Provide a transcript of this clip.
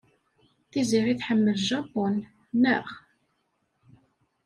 Tiziri tḥemmel Japun, naɣ?